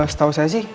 setahu saya sih